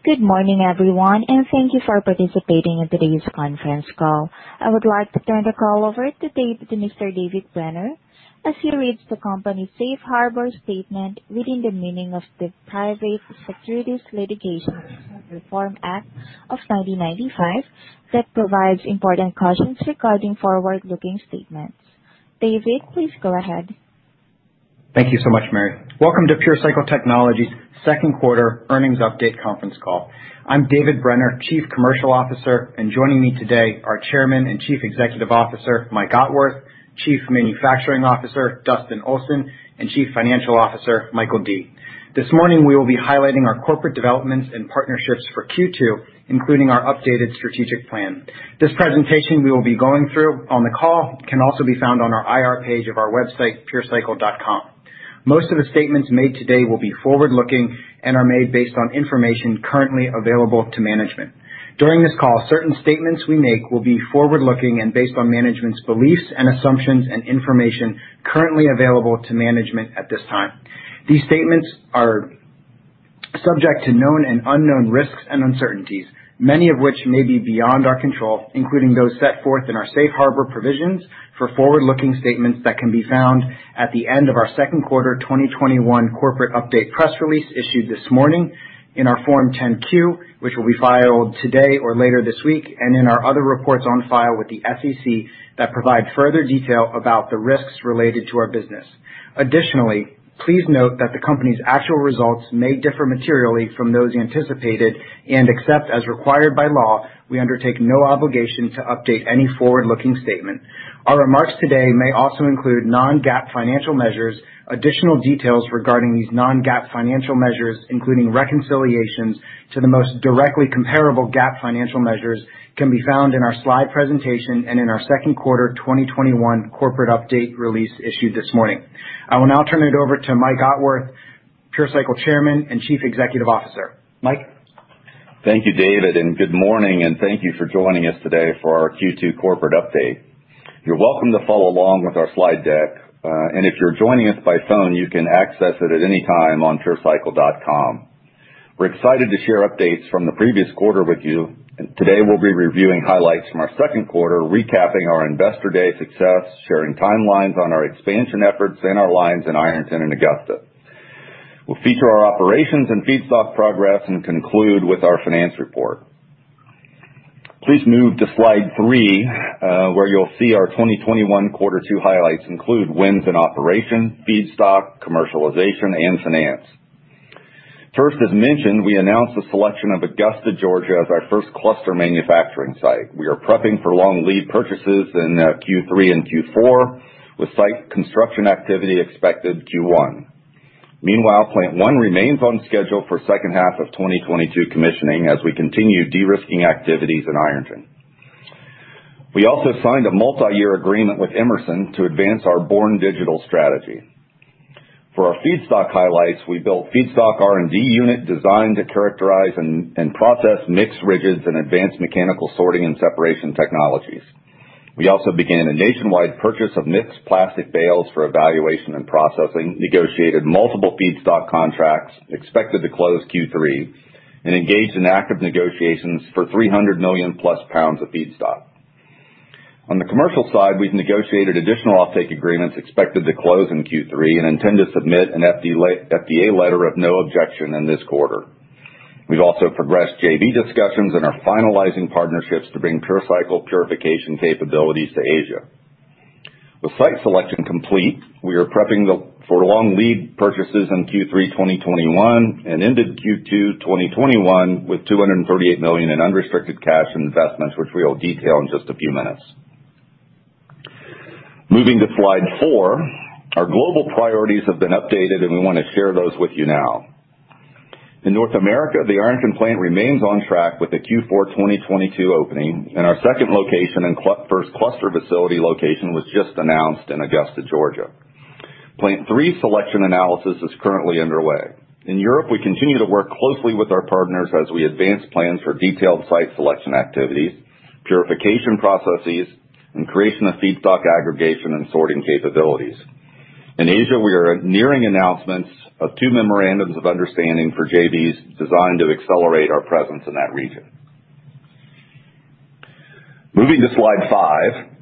Good morning everyone. Thank you for participating in today's conference call. I would like to turn the call over to Mr. David Brenner as he reads the company's safe harbor statement within the meaning of the Private Securities Litigation Reform Act of 1995 that provides important cautions regarding forward-looking statements. David, please go ahead. Thank you so much, Mary. Welcome to PureCycle Technologies' second quarter earnings update conference call. I'm David Brenner, Chief Commercial Officer, and joining me today are Chairman and Chief Executive Officer, Mike Otworth, Chief Manufacturing Officer, Dustin Olson, and Chief Financial Officer, Michael Dee. This morning we will be highlighting our corporate developments and partnerships for Q2, including our updated strategic plan. This presentation we will be going through on the call can also be found on our IR page of our website, purecycle.com. Most of the statements made today will be forward-looking and are made based on information currently available to management. During this call, certain statements we make will be forward-looking and based on management's beliefs and assumptions and information currently available to management at this time. These statements are subject to known and unknown risks and uncertainties, many of which may be beyond our control, including those set forth in our safe harbor provisions for forward-looking statements that can be found at the end of our second quarter 2021 corporate update press release issued this morning in our Form 10-Q, which will be filed today or later this week, and in our other reports on file with the SEC that provide further detail about the risks related to our business. Additionally, please note that the company's actual results may differ materially from those anticipated and except as required by law, we undertake no obligation to update any forward-looking statement. Our remarks today may also include non-GAAP financial measures. Additional details regarding these non-GAAP financial measures, including reconciliations to the most directly comparable GAAP financial measures, can be found in our slide presentation and in our second quarter 2021 corporate update release issued this morning. I will now turn it over to Mike Otworth, PureCycle Chairman and Chief Executive Officer. Mike? Thank you, David, and good morning, and thank you for joining us today for our Q2 corporate update. You're welcome to follow along with our slide deck. If you're joining us by phone, you can access it at any time on purecycle.com. We're excited to share updates from the previous quarter with you. Today we'll be reviewing highlights from our second quarter, recapping our Investor Day success, sharing timelines on our expansion efforts in our lines in Ironton and Augusta. We'll feature our operations and feedstock progress and conclude with our finance report. Please move to slide 3, where you'll see our 2021 quarter two highlights include wins in operation, feedstock, commercialization, and finance. First, as mentioned, we announced the selection of Augusta, Georgia as our first cluster manufacturing site. We are prepping for long lead purchases in Q3 and Q4 with site construction activity expected Q1. Plant 1 remains on schedule for second half of 2022 commissioning as we continue de-risking activities in Ironton. We also signed a multi-year agreement with Emerson to advance our Born Digital strategy. For our feedstock highlights, we built feedstock R&D unit designed to characterize and process mixed rigids and advanced mechanical sorting and separation technologies. We also began a nationwide purchase of mixed plastic bales for evaluation and processing, negotiated multiple feedstock contracts expected to close Q3, and engaged in active negotiations for 300 million-plus pounds of feedstock. On the commercial side, we've negotiated additional offtake agreements expected to close in Q3 and intend to submit an FDA Letter of No Objection in this quarter. We've also progressed JV discussions and are finalizing partnerships to bring PureCycle purification capabilities to Asia. With site selection complete, we are prepping for long lead purchases in Q3 2021 and ended Q2 2021 with $238 million in unrestricted cash and investments, which we will detail in just a few minutes. Moving to slide 4, our global priorities have been updated, and we want to share those with you now. In North America, the Ironton Plant remains on track with a Q4 2022 opening, and our second location and first cluster facility location was just announced in Augusta, Georgia. Plant 3 selection analysis is currently underway. In Europe, we continue to work closely with our partners as we advance plans for detailed site selection activities, purification processes, and creation of feedstock aggregation and sorting capabilities. In Asia, we are nearing announcements of two memorandums of understanding for JVs designed to accelerate our presence in that region. Moving to slide 5,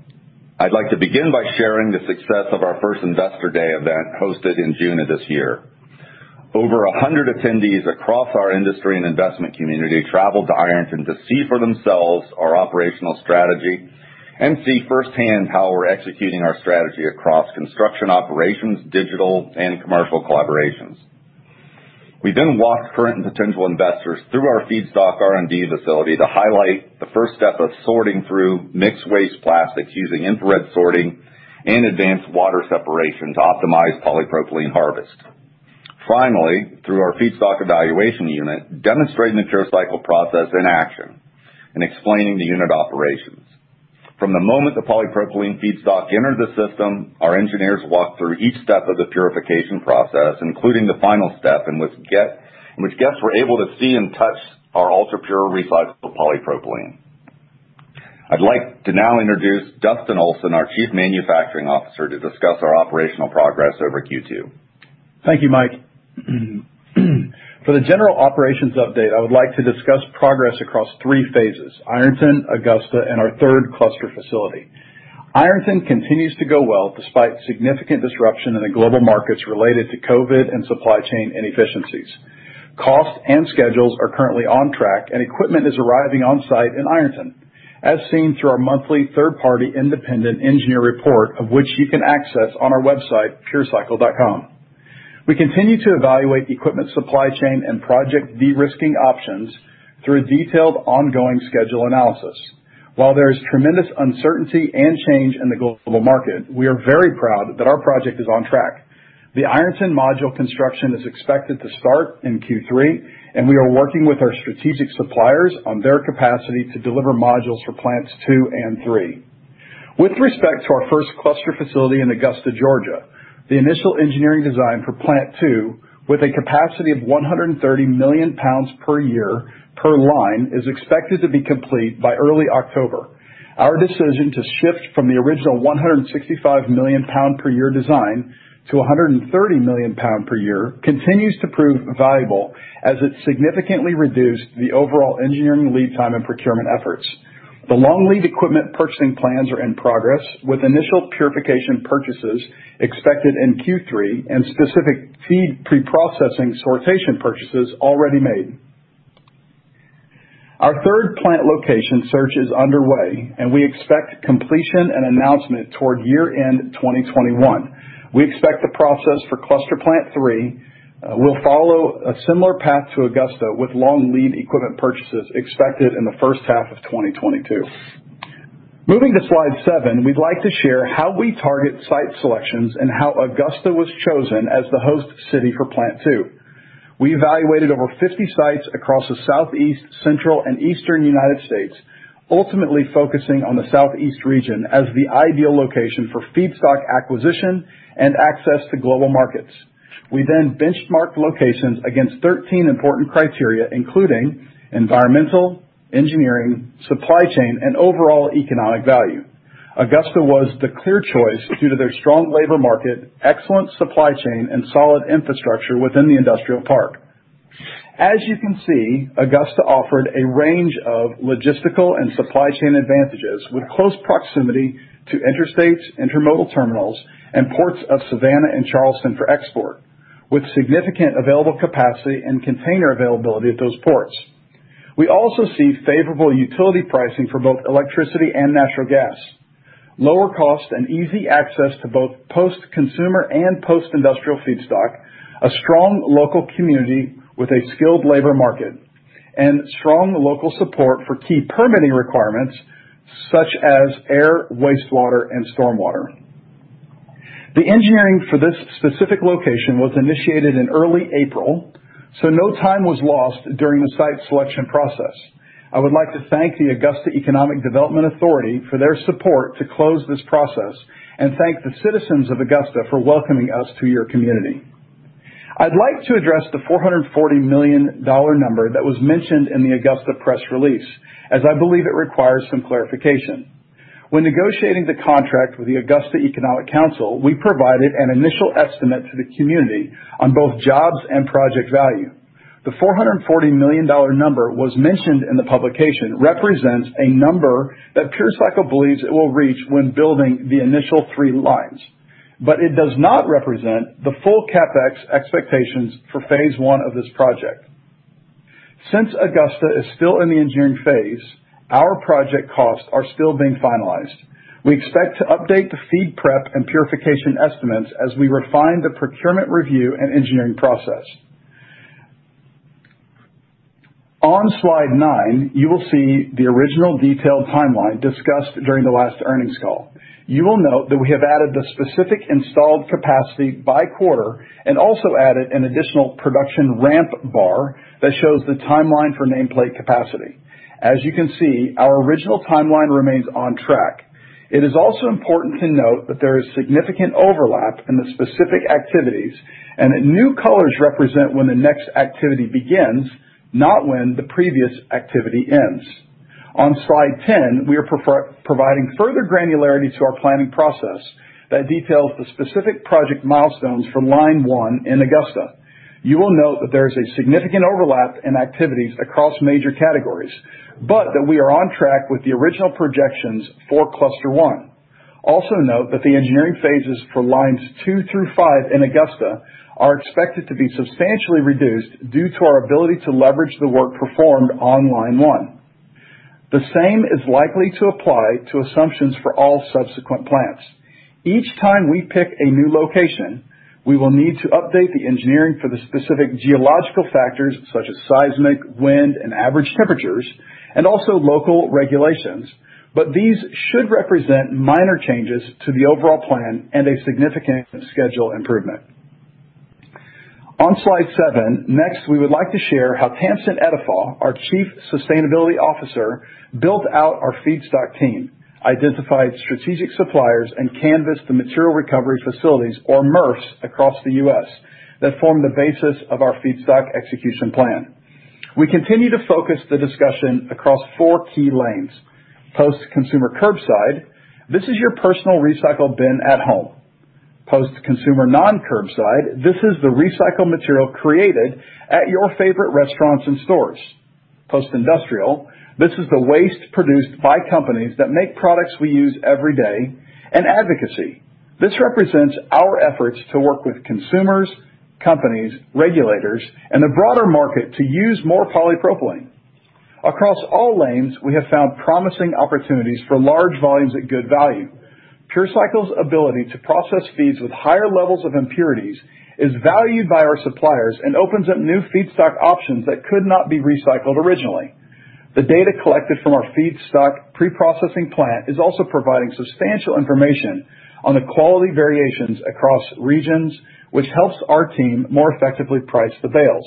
I'd like to begin by sharing the success of our first Investor Day event hosted in June of this year. Over 100 attendees across our industry and investment community traveled to Ironton to see for themselves our operational strategy and see firsthand how we're executing our strategy across construction operations, digital, and commercial collaborations. We then walked current and potential investors through our feedstock R&D facility to highlight the first step of sorting through mixed waste plastics using infrared sorting and advanced water separation to optimize polypropylene harvest. Finally, through our Feedstock Evaluation Unit, demonstrating the PureCycle process in action and explaining the unit operations. From the moment the polypropylene feedstock entered the system, our engineers walked through each step of the purification process, including the final step in which guests were able to see and touch our ultra-pure recycled polypropylene. I'd like to now introduce Dustin Olson, our Chief Manufacturing Officer, to discuss our operational progress over Q2. Thank you, Mike. For the general operations update, I would like to discuss progress across 3 phases: Ironton, Augusta, and our third cluster facility. Ironton continues to go well despite significant disruption in the global markets related to COVID and supply chain inefficiencies. Costs and schedules are currently on track, and equipment is arriving on site in Ironton, as seen through our monthly third-party independent engineer report, of which you can access on our website, purecycle.com. We continue to evaluate equipment supply chain and project de-risking options through detailed ongoing schedule analysis. While there is tremendous uncertainty and change in the global market, we are very proud that our project is on track. The Ironton module construction is expected to start in Q3, and we are working with our strategic suppliers on their capacity to deliver modules for plants 2 and 3. With respect to our first cluster facility in Augusta, Georgia, the initial engineering design for Plant 2, with a capacity of 130 million pounds per year per line, is expected to be complete by early October. Our decision to shift from the original 165 million pound per year design to 130 million pound per year continues to prove valuable as it significantly reduced the overall engineering lead time and procurement efforts. The long lead equipment purchasing plans are in progress, with initial purification purchases expected in Q3 and specific feed pre-processing sortation purchases already made. We expect completion and announcement toward year-end 2021. We expect the process for cluster Plant 3 will follow a similar path to Augusta, with long lead equipment purchases expected in the first half of 2022. Moving to slide 7, we'd like to share how we target site selections and how Augusta was chosen as the host city for Plant 2. We evaluated over 50 sites across the Southeast, Central, and Eastern U.S., ultimately focusing on the Southeast region as the ideal location for feedstock acquisition and access to global markets. We benchmarked locations against 13 important criteria, including environmental, engineering, supply chain, and overall economic value. Augusta was the clear choice due to their strong labor market, excellent supply chain, and solid infrastructure within the industrial park. As you can see, Augusta offered a range of logistical and supply chain advantages with close proximity to interstates, intermodal terminals, and ports of Savannah and Charleston for export, with significant available capacity and container availability at those ports. We also see favorable utility pricing for both electricity and natural gas, lower cost and easy access to both post-consumer and post-industrial feedstock, a strong local community with a skilled labor market, and strong local support for key permitting requirements such as air, wastewater, and stormwater. The engineering for this specific location was initiated in early April. No time was lost during the site selection process. I would like to thank the Augusta Economic Development Authority for their support to close this process and thank the citizens of Augusta for welcoming us to your community. I'd like to address the $440 million number that was mentioned in the Augusta press release, as I believe it requires some clarification. When negotiating the contract with the Augusta Economic Development Authority, we provided an initial estimate to the community on both jobs and project value. The $440 million number was mentioned in the publication represents a number that PureCycle believes it will reach when building the initial three lines, it does not represent the full CapEx expectations for phase one of this project. Since Augusta is still in the engineering phase, our project costs are still being finalized. We expect to update the feed prep and purification estimates as we refine the procurement review and engineering process. On slide 9, you will see the original detailed timeline discussed during the last earnings call. You will note that we have added the specific installed capacity by quarter and also added an additional production ramp bar that shows the timeline for nameplate capacity. As you can see, our original timeline remains on track. It is also important to note that there is significant overlap in the specific activities and that new colors represent when the next activity begins, not when the previous activity ends. On Slide 10, we are providing further granularity to our planning process that details the specific project milestones for line 1 in Augusta. You will note that there is a significant overlap in activities across major categories, but that we are on track with the original projections for cluster 1. Also note that the engineering phases for lines 2 through 5 in Augusta are expected to be substantially reduced due to our ability to leverage the work performed on line 1. The same is likely to apply to assumptions for all subsequent plants. Each time we pick a new location, we will need to update the engineering for the specific geological factors such as seismic, wind, and average temperatures, and also local regulations. These should represent minor changes to the overall plan and a significant schedule improvement. On slide 7, next, we would like to share how Tamsin Ettefagh, our Chief Sustainability Officer, built out our feedstock team. Identified strategic suppliers and canvassed the material recovery facilities, or MRFs, across the U.S. that form the basis of our feedstock execution plan. We continue to focus the discussion across 4 key lanes. Post-consumer curbside, this is your personal recycle bin at home. Post-consumer non-curbside, this is the recycled material created at your favorite restaurants and stores. Post-industrial, this is the waste produced by companies that make products we use every day. Advocacy. This represents our efforts to work with consumers, companies, regulators, and the broader market to use more polypropylene. Across all lanes, we have found promising opportunities for large volumes at good value. PureCycle's ability to process feeds with higher levels of impurities is valued by our suppliers and opens up new feedstock options that could not be recycled originally. The data collected from our feedstock preprocessing plant is also providing substantial information on the quality variations across regions, which helps our team more effectively price the bales.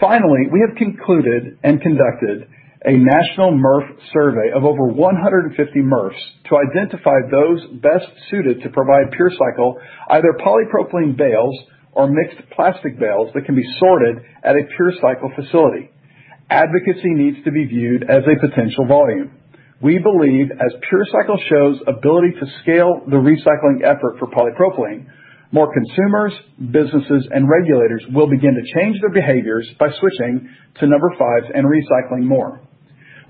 Finally, we have concluded and conducted a national MRF survey of over 150 MRFs to identify those best suited to provide PureCycle either polypropylene bales or mixed plastic bales that can be sorted at a PureCycle facility. Advocacy needs to be viewed as a potential volume. We believe as PureCycle shows ability to scale the recycling effort for polypropylene, more consumers, businesses, and regulators will begin to change their behaviors by switching to number fives and recycling more.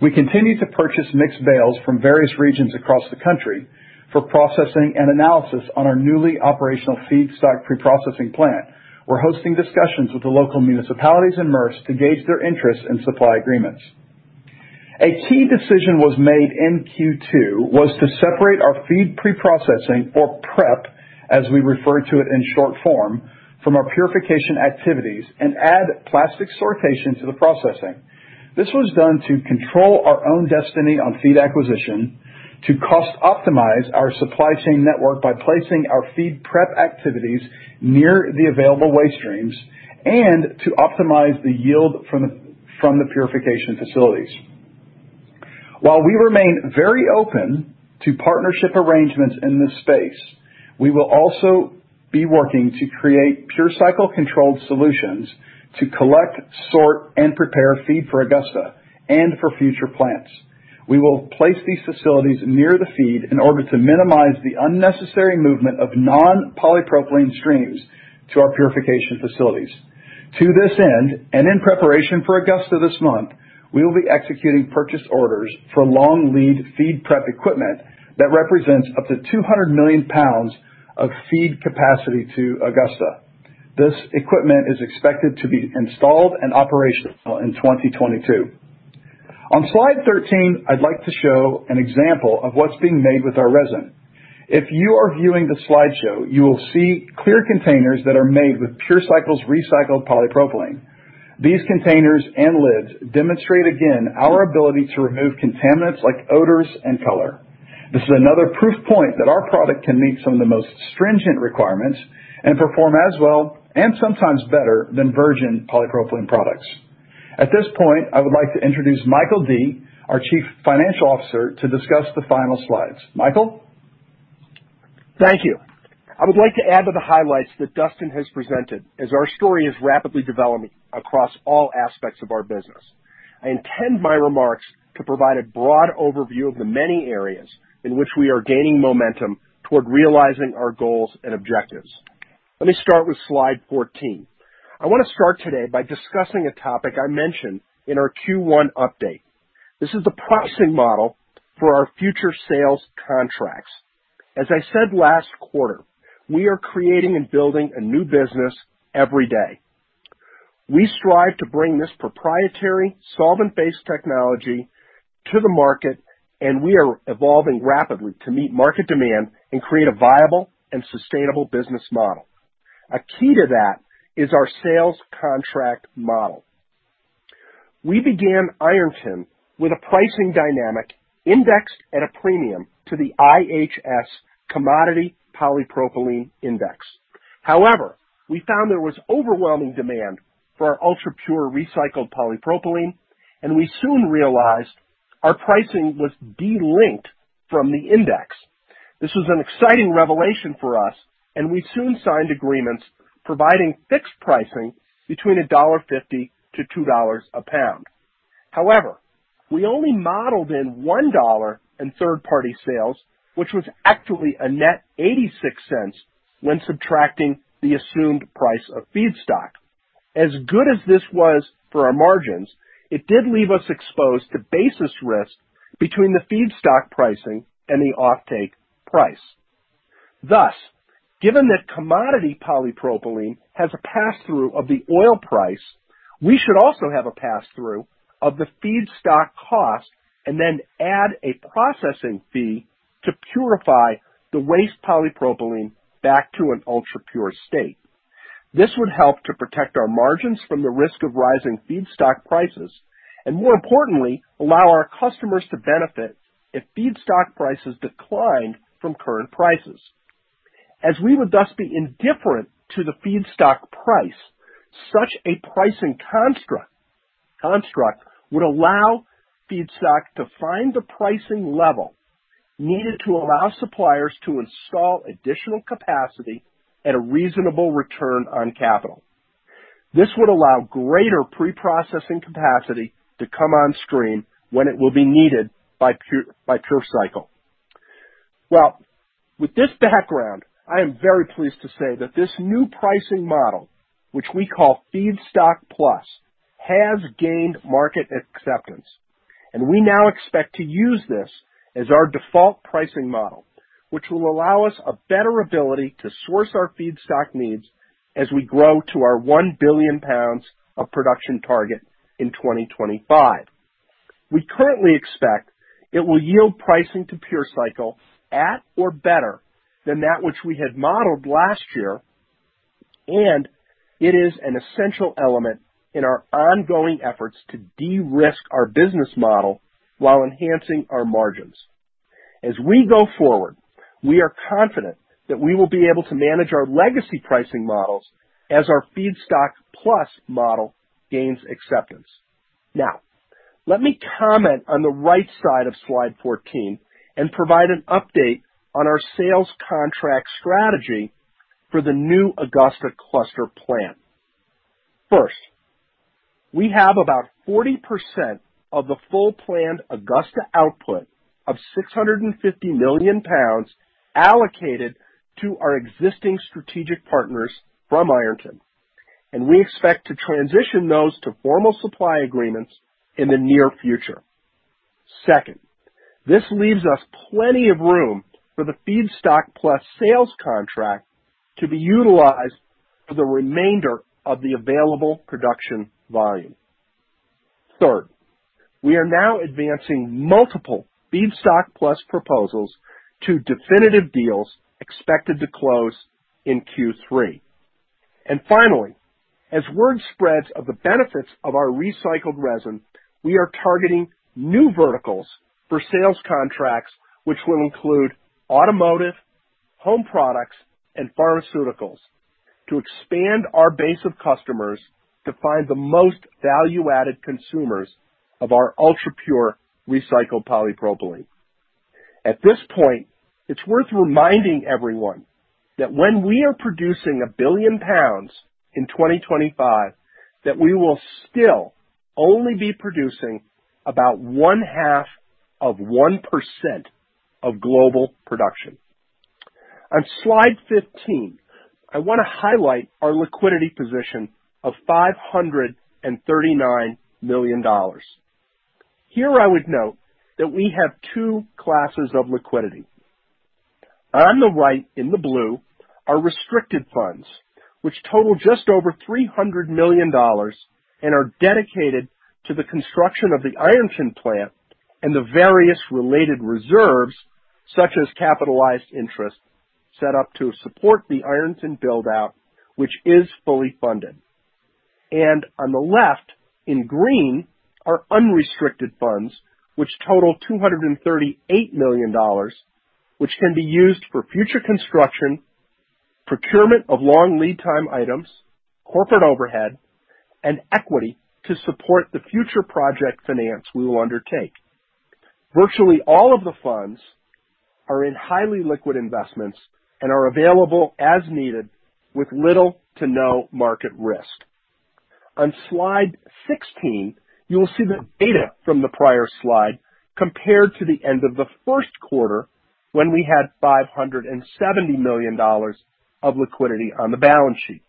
We continue to purchase mixed bales from various regions across the country for processing and analysis on our newly operational feedstock preprocessing plant. We're hosting discussions with the local municipalities and MRFs to gauge their interest in supply agreements. A key decision was made in Q2 was to separate our feed preprocessing, or prep, as we refer to it in short form, from our purification activities and add plastic sortation to the processing. This was done to control our own destiny on feed acquisition, to cost optimize our supply chain network by placing our feed prep activities near the available waste streams, and to optimize the yield from the purification facilities. While we remain very open to partnership arrangements in this space, we will also be working to create PureCycle controlled solutions to collect, sort, and prepare feed for Augusta and for future plants. We will place these facilities near the feed in order to minimize the unnecessary movement of non-polypropylene streams to our purification facilities. To this end, and in preparation for Augusta this month, we will be executing purchase orders for long lead feed prep equipment that represents up to 200 million pounds of feed capacity to Augusta. This equipment is expected to be installed and operational in 2022. On slide 13, I'd like to show an example of what's being made with our resin. If you are viewing the slideshow, you will see clear containers that are made with PureCycle's recycled polypropylene. These containers and lids demonstrate again our ability to remove contaminants like odors and color. This is another proof point that our product can meet some of the most stringent requirements and perform as well, and sometimes better, than virgin polypropylene products. At this point, I would like to introduce Michael Dee, our Chief Financial Officer, to discuss the final slides. Michael? Thank you. I would like to add to the highlights that Dustin Olson has presented as our story is rapidly developing across all aspects of our business. I intend my remarks to provide a broad overview of the many areas in which we are gaining momentum toward realizing our goals and objectives. Let me start with slide 14. I want to start today by discussing a topic I mentioned in our Q1 update. This is the pricing model for our future sales contracts. As I said last quarter, we are creating and building a new business every day. We strive to bring this proprietary solvent-based technology to the market, and we are evolving rapidly to meet market demand and create a viable and sustainable business model. A key to that is our sales contract model. We began Ironton with a pricing dynamic indexed at a premium to the IHS Commodity Polypropylene Index. We found there was overwhelming demand for our ultra-pure recycled polypropylene, and we soon realized our pricing was de-linked from the index. This was an exciting revelation for us, and we soon signed agreements providing fixed pricing between $1.50-$2 a pound. We only modeled in $1 in third-party sales, which was actually a net $0.86 when subtracting the assumed price of feedstock. As good as this was for our margins, it did leave us exposed to basis risk between the feedstock pricing and the offtake price. Given that commodity polypropylene has a passthrough of the oil price, we should also have a passthrough of the feedstock cost and then add a processing fee to purify the waste polypropylene back to an ultra-pure state. This would help to protect our margins from the risk of rising feedstock prices, and more importantly, allow our customers to benefit if feedstock prices declined from current prices. As we would thus be indifferent to the feedstock price, such a pricing construct would allow feedstock to find the pricing level needed to allow suppliers to install additional capacity at a reasonable return on capital. This would allow greater pre-processing capacity to come on stream when it will be needed by PureCycle. Well, with this background, I am very pleased to say that this new pricing model, which we call Feedstock+, has gained market acceptance, and we now expect to use this as our default pricing model. Which will allow us a better ability to source our feedstock needs as we grow to our 1 billion pounds of production target in 2025. We currently expect it will yield pricing to PureCycle at or better than that which we had modeled last year, and it is an essential element in our ongoing efforts to de-risk our business model while enhancing our margins. As we go forward, we are confident that we will be able to manage our legacy pricing models as our Feedstock+ model gains acceptance. Let me comment on the right side of slide 14 and provide an update on our sales contract strategy for the new Augusta cluster plant. First, we have about 40% of the full planned Augusta output of 650 million pounds allocated to our existing strategic partners from Ironton, and we expect to transition those to formal supply agreements in the near future. Second, this leaves us plenty of room for the Feedstock+ sales contract to be utilized for the remainder of the available production volume. Third, we are now advancing multiple Feedstock+ proposals to definitive deals expected to close in Q3. Finally, as word spreads of the benefits of our recycled resin, we are targeting new verticals for sales contracts, which will include automotive, home products, and pharmaceuticals, to expand our base of customers to find the most value-added consumers of our ultra-pure recycled polypropylene. At this point, it's worth reminding everyone that when we are producing 1 billion pounds in 2025, that we will still only be producing about one-half of 1% of global production. On slide 15, I want to highlight our liquidity position of $539 million. Here I would note that we have 2 classes of liquidity. On the right, in the blue, are restricted funds, which total just over $300 million and are dedicated to the construction of the Ironton plant and the various related reserves, such as capitalized interest set up to support the Ironton build-out, which is fully funded. On the left, in green, are unrestricted funds, which total $238 million, which can be used for future construction, procurement of long lead time items, corporate overhead, and equity to support the future project finance we will undertake. Virtually all of the funds are in highly liquid investments and are available as needed with little to no market risk. On slide 16, you will see the data from the prior slide compared to the end of the first quarter, when we had $570 million of liquidity on the balance sheet.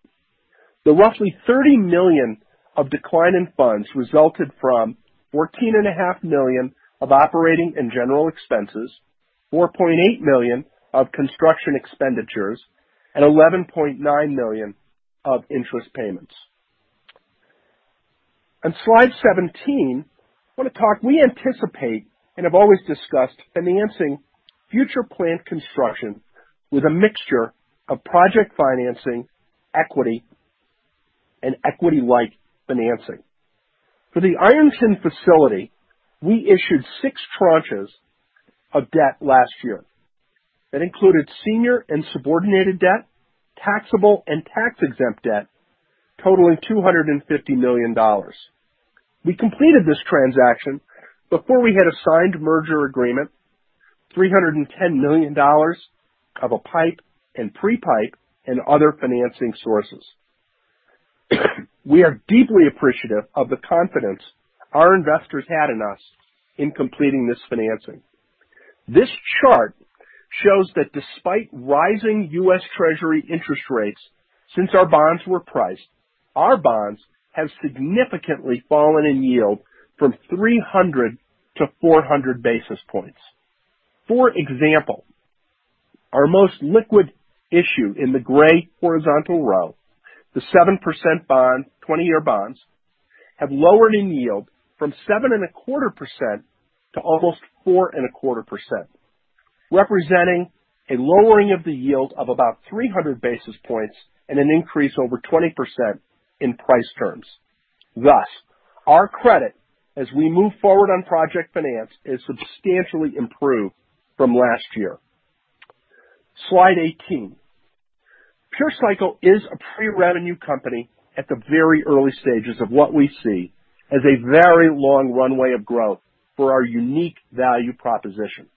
The roughly $30 million of decline in funds resulted from $14.5 million of operating and general expenses, $4.8 million of construction expenditures, and $11.9 million of interest payments. On slide 17, we anticipate and have always discussed financing future plant construction with a mixture of project financing, equity, and equity-like financing. For the Ironton facility, we issued six tranches of debt last year. That included senior and subordinated debt, taxable and tax-exempt debt totaling $250 million. We completed this transaction before we had a signed merger agreement, $310 million of a PIPE and pre-PIPE, and other financing sources. We are deeply appreciative of the confidence our investors had in us in completing this financing. This chart shows that despite rising US Treasury interest rates since our bonds were priced, our bonds have significantly fallen in yield from 300-400 basis points. For example, our most liquid issue in the gray horizontal row, the 7% bond, 20-year bonds, have lowered in yield from 7.25% to almost 4.25%, representing a lowering of the yield of about 300 basis points and an increase over 20% in price terms. Thus, our credit as we move forward on project finance is substantially improved from last year. Slide 18. PureCycle is a pre-revenue company at the very early stages of what we see as a very long runway of growth for our unique value proposition.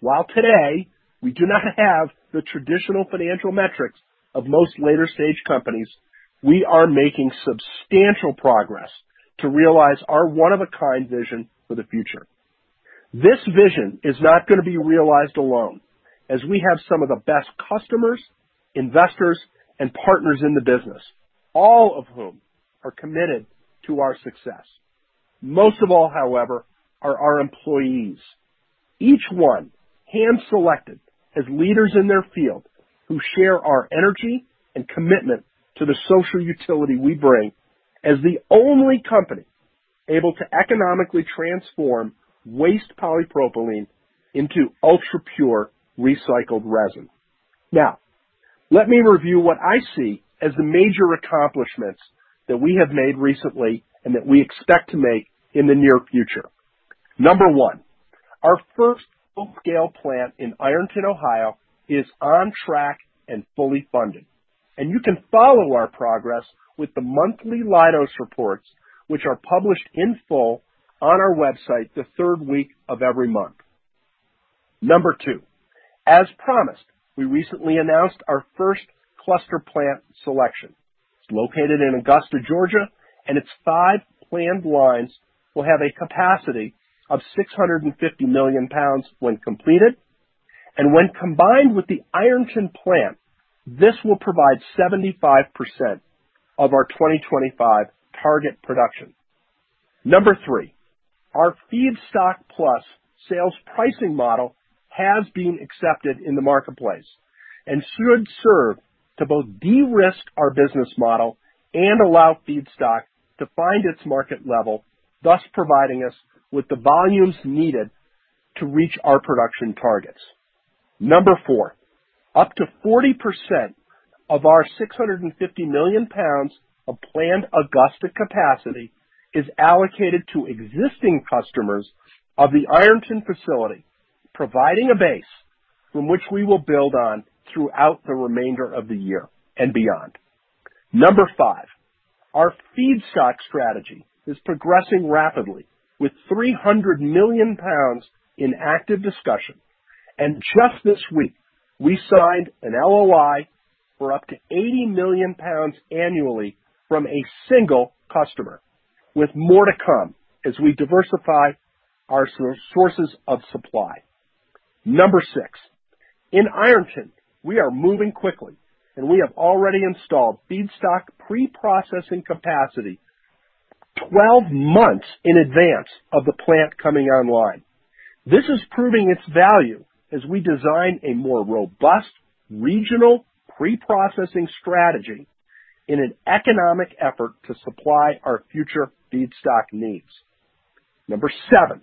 While today we do not have the traditional financial metrics of most later-stage companies, we are making substantial progress to realize our one-of-a-kind vision for the future. This vision is not going to be realized alone, as we have some of the best customers, investors, and partners in the business, all of whom are committed to our success. Most of all, however, are our employees. Each one hand-selected as leaders in their field who share our energy and commitment to the social utility we bring as the only company able to economically transform waste polypropylene into ultra-pure recycled resin. Let me review what I see as the major accomplishments that we have made recently and that we expect to make in the near future. Number 1, our first full-scale plant in Ironton, Ohio, is on track and fully funded, and you can follow our progress with the monthly Leidos reports, which are published in full on our website the third week of every month. Number 2, as promised, we recently announced our first cluster plant selection. It's located in Augusta, Georgia, and its five planned lines will have a capacity of 650 million pounds when completed. When combined with the Ironton Plant, this will provide 75% of our 2025 target production. 3. Our Feedstock+ sales pricing model has been accepted in the marketplace and should serve to both de-risk our business model and allow feedstock to find its market level, thus providing us with the volumes needed to reach our production targets. 4. Up to 40% of our 650 million pounds of planned Augusta capacity is allocated to existing customers of the Ironton Plant, providing a base from which we will build on throughout the remainder of the year and beyond. 5. Our feedstock strategy is progressing rapidly with 300 million pounds in active discussion. Just this week, we signed an LOI for up to 80 million pounds annually from a single customer with more to come as we diversify our sources of supply. Number 6, in Ironton, we are moving quickly, and we have already installed feedstock pre-processing capacity 12 months in advance of the plant coming online. This is proving its value as we design a more robust regional pre-processing strategy in an economic effort to supply our future feedstock needs. Number 7,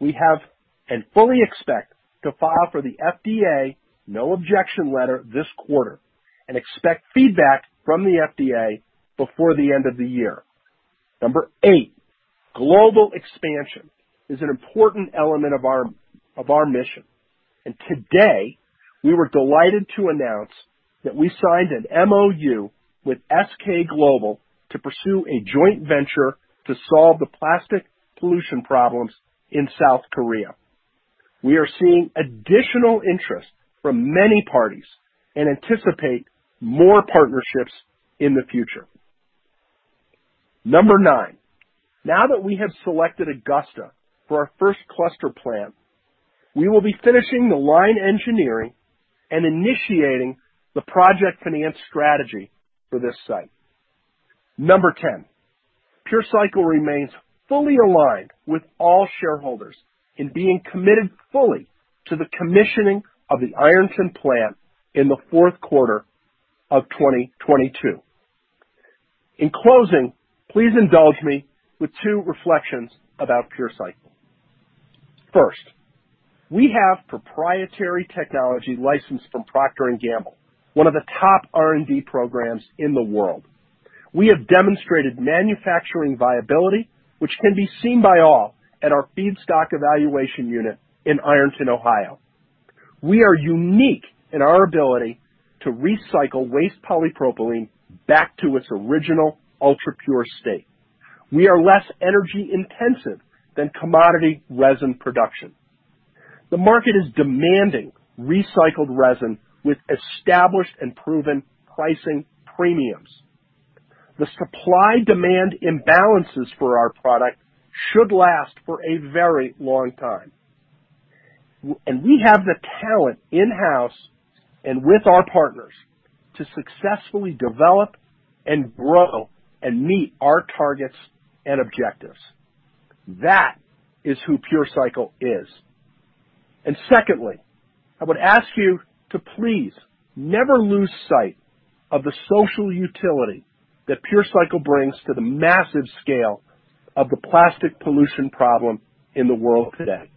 we have and fully expect to file for the FDA no objection letter this quarter and expect feedback from the FDA before the end of the year. Number 8, global expansion is an important element of our mission. Today, we were delighted to announce that we signed an MOU with SK Global to pursue a joint venture to solve the plastic pollution problems in South Korea. We are seeing additional interest from many parties and anticipate more partnerships in the future. Number nine, now that we have selected Augusta for our first cluster plant, we will be finishing the line engineering and initiating the project finance strategy for this site. Number 10, PureCycle remains fully aligned with all shareholders in being committed fully to the commissioning of the Ironton plant in the fourth quarter of 2022. In closing, please indulge me with two reflections about PureCycle. First, we have proprietary technology licensed from Procter & Gamble, one of the top R&D programs in the world. We have demonstrated manufacturing viability, which can be seen by all at our Feedstock Evaluation Unit in Ironton, Ohio. We are unique in our ability to recycle waste polypropylene back to its original ultra-pure state. We are less energy-intensive than commodity resin production. The market is demanding recycled resin with established and proven pricing premiums. The supply-demand imbalances for our product should last for a very long time. We have the talent in-house and with our partners to successfully develop and grow and meet our targets and objectives. That is who PureCycle is. Secondly, I would ask you to please never lose sight of the social utility that PureCycle brings to the massive scale of the plastic pollution problem in the world today.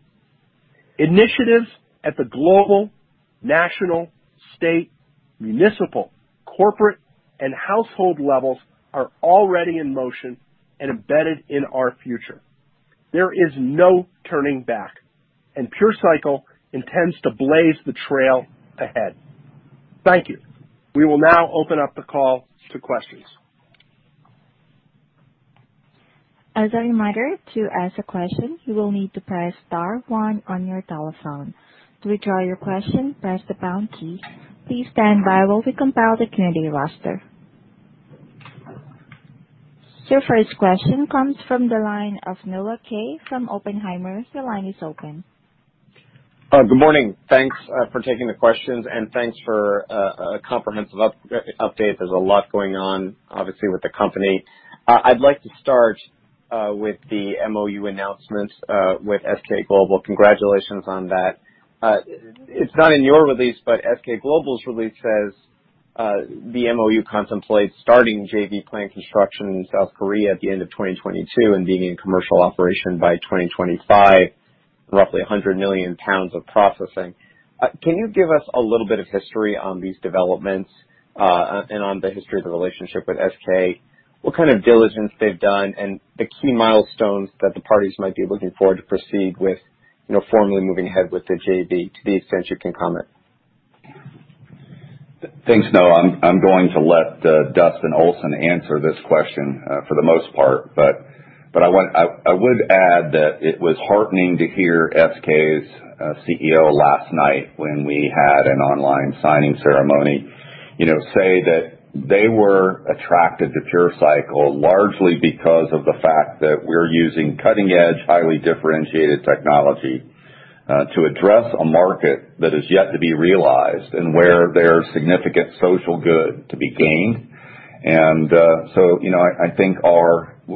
Initiatives at the global, national, state, municipal, corporate, and household levels are already in motion and embedded in our future. There is no turning back, and PureCycle intends to blaze the trail ahead. Thank you. We will now open up the call to questions. As a reminder, to ask a question, you will need to press star 1 on your telephone. To withdraw your question, press the pound key. Please stand by while we compile the connectivity roster. Your first question comes from the line of Noah Kaye from Oppenheimer. Your line is open. Good morning. Thanks for taking the questions and thanks for a comprehensive update. There's a lot going on, obviously, with the company. I'd like to start with the MOU announcement with SK Global. Congratulations on that. It's not in your release, but SK Global's release says the MOU contemplates starting JV plant construction in South Korea at the end of 2022 and being in commercial operation by 2025, roughly 100 million pounds of processing. Can you give us a little bit of history on these developments, and on the history of the relationship with SK, what kind of diligence they've done, and the key milestones that the parties might be looking for to proceed with formally moving ahead with the JV to the extent you can comment? Thanks, Noah. I'm going to let Dustin Olson answer this question for the most part, but I would add that it was heartening to hear SK's CEO last night when we had an online signing ceremony, say that they were attracted to PureCycle largely because of the fact that we're using cutting edge, highly differentiated technology to address a market that is yet to be realized and where there's significant social good to be gained. I think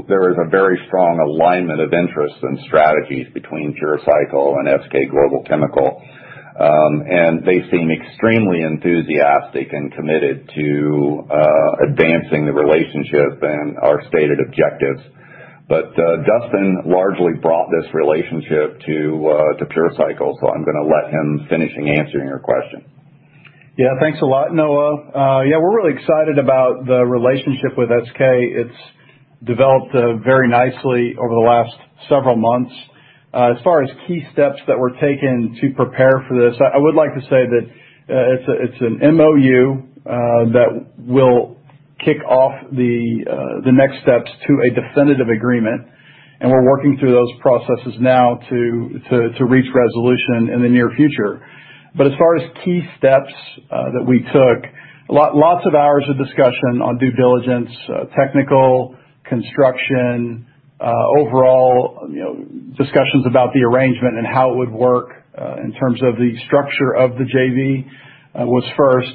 there is a very strong alignment of interests and strategies between PureCycle and SK Global Chemical. They seem extremely enthusiastic and committed to advancing the relationship and our stated objectives. Dustin largely brought this relationship to PureCycle, so I'm going to let him finish answering your question. Yeah, thanks a lot, Noah. Yeah, we're really excited about the relationship with SK. It's developed very nicely over the last several months. As far as key steps that were taken to prepare for this, I would like to say that it's an MOU that will kick off the next steps to a definitive agreement, and we're working through those processes now to reach resolution in the near future. As far as key steps that we took, lots of hours of discussion on due diligence, technical construction, overall discussions about the arrangement and how it would work in terms of the structure of the JV was first.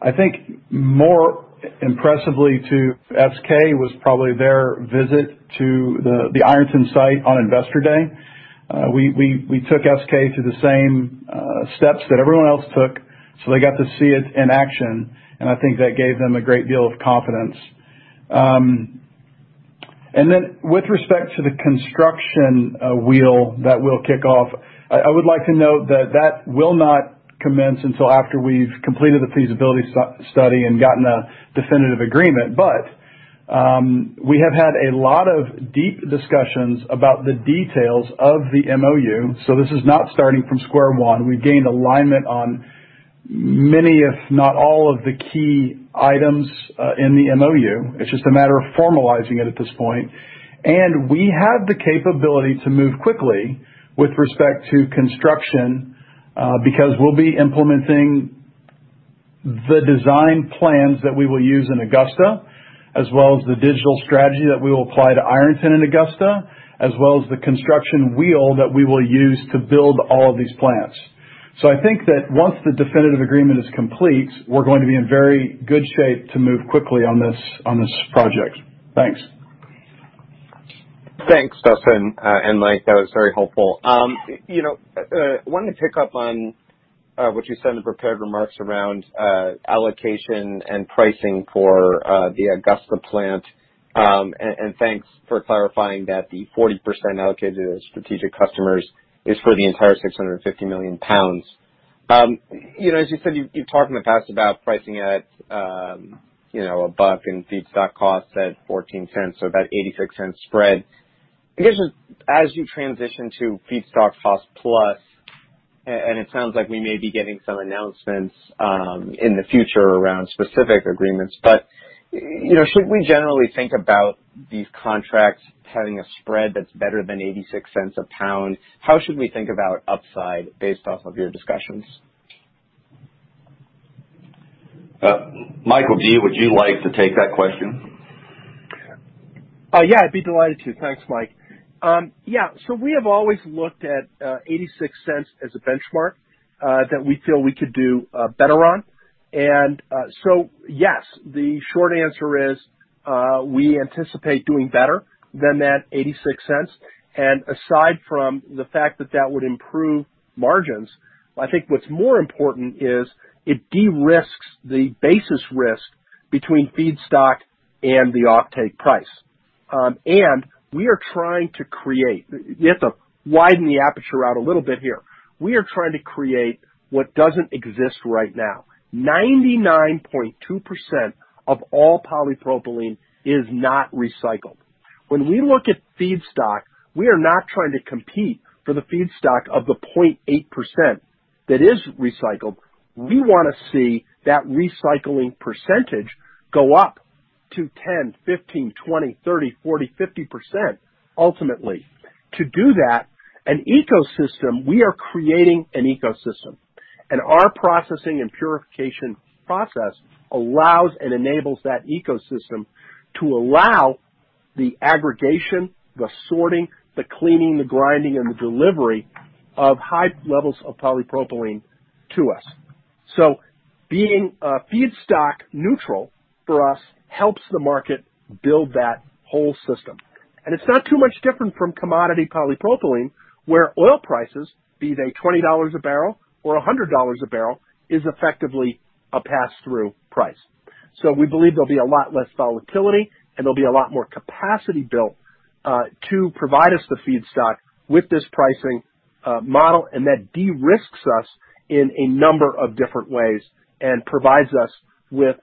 I think more impressively to SK was probably their visit to the Ironton site on Investor Day. We took SK through the same steps that everyone else took, so they got to see it in action, and I think that gave them a great deal of confidence. With respect to the construction wheel that we'll kick off, I would like to note that that will not commence until after we've completed the feasibility study and gotten a definitive agreement. We have had a lot of deep discussions about the details of the MoU, so this is not starting from square one. We've gained alignment on many, if not all, of the key items in the MoU. It's just a matter of formalizing it at this point. We have the capability to move quickly with respect to construction because we'll be implementing the design plans that we will use in Augusta as well as the digital strategy that we will apply to Ironton and Augusta, as well as the construction wheel that we will use to build all of these plants. I think that once the definitive agreement is complete, we're going to be in very good shape to move quickly on this project. Thanks. Thanks, Dustin and Mike. That was very helpful. Wanted to pick up on what you said in the prepared remarks around allocation and pricing for the Augusta plant. Thanks for clarifying that the 40% allocated to the strategic customers is for the entire 650 million pounds. As you said, you've talked in the past about pricing at above and feedstock costs at $0.14, so about $0.86 spread. I guess, as you transition to Feedstock+, and it sounds like we may be getting some announcements in the future around specific agreements, but should we generally think about these contracts having a spread that's better than $0.86 a pound? How should we think about upside based off of your discussions? Michael, would you like to take that question? Yeah, I'd be delighted to. Thanks, Mike. We have always looked at $0.86 as a benchmark that we feel we could do better on. Yes, the short answer is we anticipate doing better than that $0.86. Aside from the fact that that would improve margins, I think what's more important is it de-risks the basis risk between feedstock and the offtake price. We have to widen the aperture out a little bit here. 99.2% of all polypropylene is not recycled. When we look at feedstock, we are not trying to compete for the feedstock of the 0.8% that is recycled. We want to see that recycling percentage go up to 10%, 15%, 20%, 30%, 40%, 50% ultimately. To do that, we are creating an ecosystem, and our processing and purification process allows and enables that ecosystem to allow the aggregation, the sorting, the cleaning, the grinding, and the delivery of high levels of polypropylene to us. Being feedstock neutral for us helps the market build that whole system. It's not too much different from commodity polypropylene, where oil prices, be they $20 a barrel or $100 a barrel, is effectively a pass-through price. We believe there'll be a lot less volatility, and there'll be a lot more capacity built to provide us the feedstock with this pricing model, and that de-risks us in a number of different ways and provides us with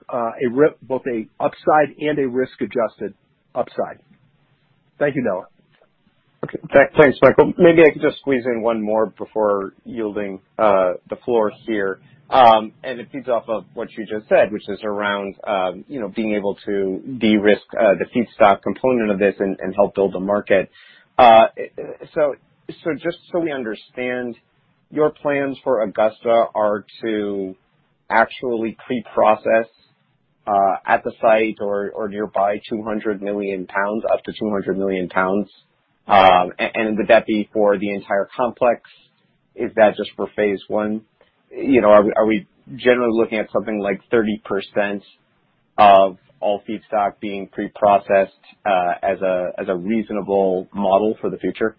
both a upside and a risk-adjusted upside. Thank you, Noah. Okay. Thanks, Michael. Maybe I can just squeeze in one more before yielding the floor here. It feeds off of what you just said, which is around being able to de-risk the feedstock component of this and help build the market. Just so we understand, your plans for Augusta are to actually pre-process, at the site or nearby, up to 200 million pounds. Would that be for the entire complex? Is that just for phase one? Are we generally looking at something like 30% of all feedstock being pre-processed as a reasonable model for the future?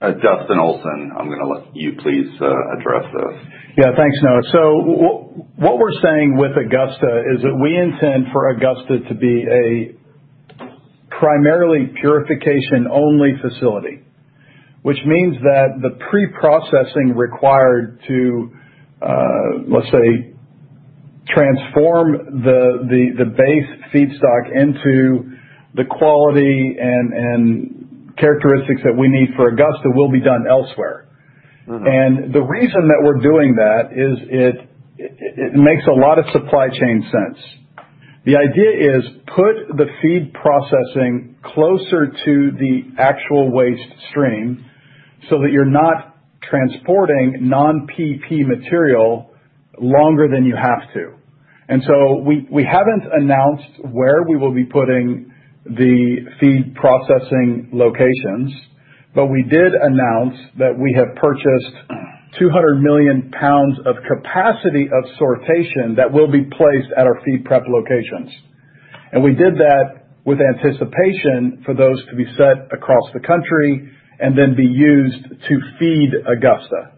Dustin Olson, I'm going to let you please address this. Yeah, thanks, Noah. What we're saying with Augusta is that we intend for Augusta to be a primarily purification-only facility, which means that the pre-processing required to, let's say, transform the base feedstock into the quality and characteristics that we need for Augusta will be done elsewhere. The reason that we're doing that is it makes a lot of supply chain sense. The idea is put the feed processing closer to the actual waste stream so that you're not transporting non-PP material longer than you have to. We haven't announced where we will be putting the feed processing locations, but we did announce that we have purchased 200 million pounds of capacity of sortation that will be placed at our feed prep locations. We did that with anticipation for those to be set across the country and then be used to feed Augusta.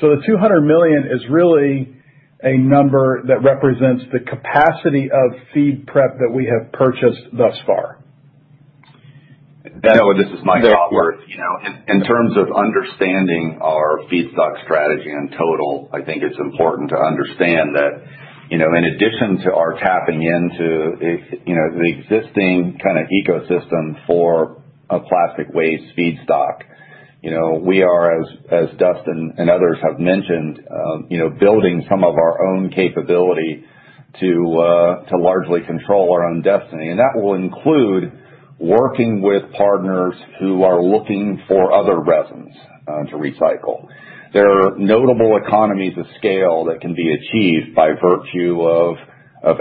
The 200 million is really a number that represents the capacity of feed prep that we have purchased thus far. Noah Kaye, this is Mike Otworth. In terms of understanding our feedstock strategy in total, I think it's important to understand that in addition to our tapping into the existing kind of ecosystem for a plastic waste feedstock, we are, as Dustin Olson and others have mentioned, building some of our own capability to largely control our own destiny. That will include working with partners who are looking for other resins to recycle. There are notable economies of scale that can be achieved by virtue of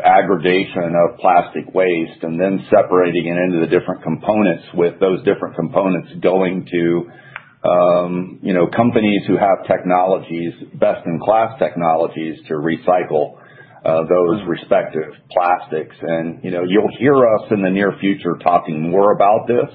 aggregation of plastic waste and then separating it into the different components with those different components going to companies who have best-in-class technologies to recycle those respective plastics. You'll hear us in the near future talking more about this.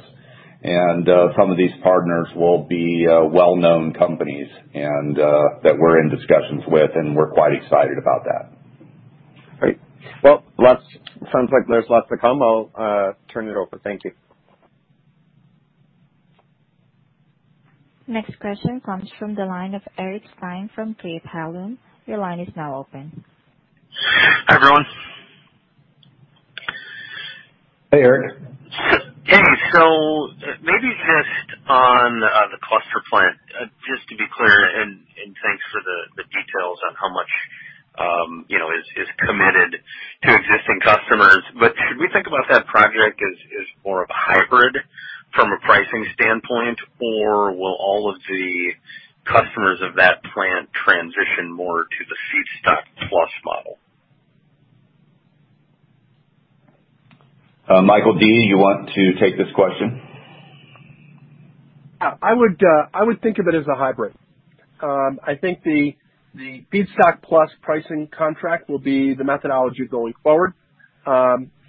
Some of these partners will be well-known companies that we're in discussions with, and we're quite excited about that. Great. Well, sounds like there's lots to come. I'll turn it over. Thank you. Next question comes from the line of Eric Stine from KeyBanc. Your line is now open. Hi, everyone. Hey, Eric. Hey. Maybe just on the cluster plant, just to be clear, and thanks for the details on how much is committed to existing customers, but should we think about that project as more of a hybrid from a pricing standpoint, or will all of the customers of that plant transition more to the Feedstock+ model? Michael Dee, you want to take this question? I would think of it as a hybrid. I think the feedstock plus pricing contract will be the methodology going forward.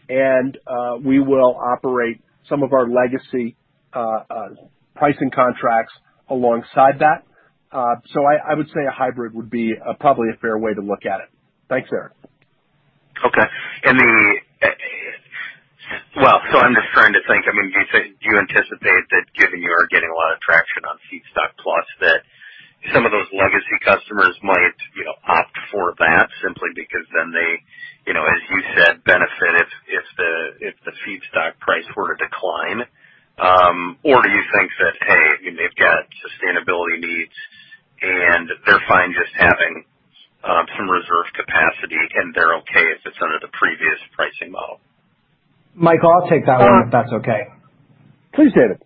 We will operate some of our legacy pricing contracts alongside that. I would say a hybrid would be probably a fair way to look at it. Thanks, Eric. I'm just trying to think. Do you anticipate that given you are getting a lot of traction on Feedstock+, that some of those legacy customers might opt for that simply because then they, as you said, benefit if the feedstock price were to decline? Or do you think that they've got sustainability needs and they're fine just having some reserve capacity and they're okay if it's under the previous pricing model? Mike, I'll take that one if that's okay. Please, David.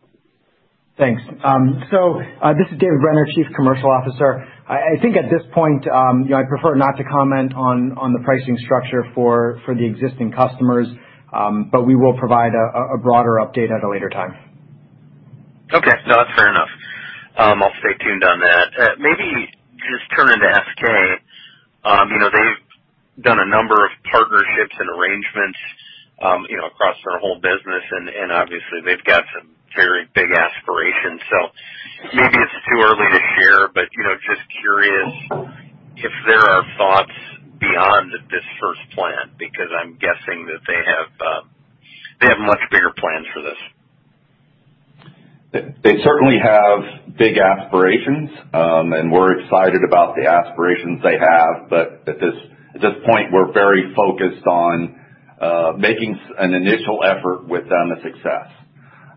Thanks. This is David Brenner, Chief Commercial Officer. I think at this point, I'd prefer not to comment on the pricing structure for the existing customers, but we will provide a broader update at a later time. Okay. No, that's fair enough. I'll stay tuned on that. Just turning to SK. They've done a number of partnerships and arrangements across their whole business. Obviously they've got some very big aspirations. Maybe it's too early to share, but just curious if there are thoughts beyond this first plant, because I'm guessing that they have much bigger plans for this. They certainly have big aspirations, and we're excited about the aspirations they have. At this point, we're very focused on making an initial effort with them a success.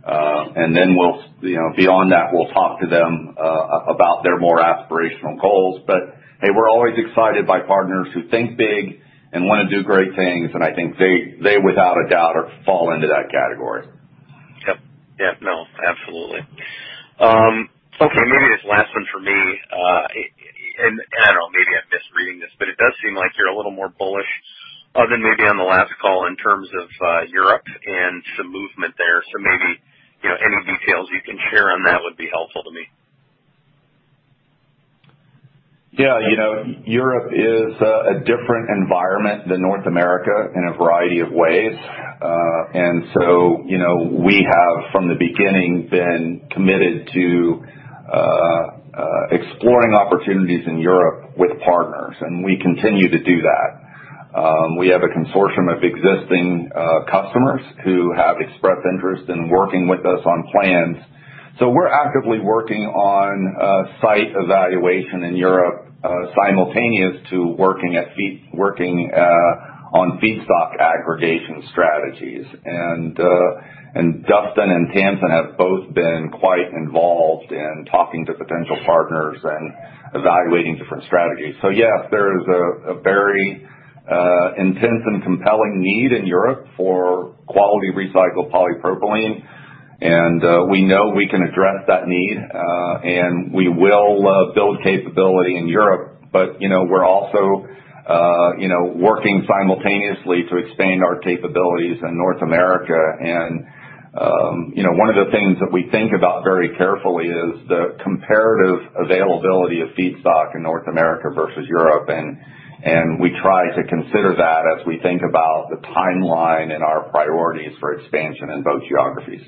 Beyond that, we'll talk to them about their more aspirational goals. Hey, we're always excited by partners who think big and want to do great things, and I think they, without a doubt, fall into that category. Yep. Yeah. No, absolutely. Okay, maybe this last one for me. I don't know, maybe I'm misreading this, but it does seem like you're a little more bullish than maybe on the last call in terms of Europe and some movement there. Maybe any details you can share on that would be helpful to me. Yeah. Europe is a different environment than North America in a variety of ways. We have, from the beginning, been committed to exploring opportunities in Europe with partners, and we continue to do that. We have a consortium of existing customers who have expressed interest in working with us on plans. We're actively working on site evaluation in Europe simultaneous to working on feedstock aggregation strategies. Dustin Olson and Tamsin Ettefagh have both been quite involved in talking to potential partners and evaluating different strategies. Yes, there is a very intense and compelling need in Europe for quality recycled polypropylene, and we know we can address that need. We will build capability in Europe. We're also working simultaneously to expand our capabilities in North America. One of the things that we think about very carefully is the comparative availability of feedstock in North America versus Europe. We try to consider that as we think about the timeline and our priorities for expansion in both geographies.